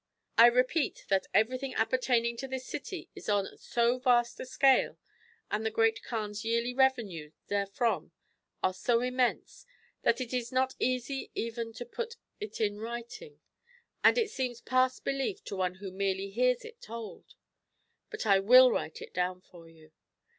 I repeat that everything appertaining to this city is on so vast a scale, and the Great Kaan's yearly revenues there from are so immense, that it is not easy even to put it in writing, and it seems past belief to one who merely hears it told. But I luill write it down for you.